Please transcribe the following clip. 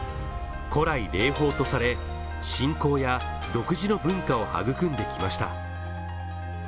古来、霊峰とされ、信仰や独自の文化を育んできました。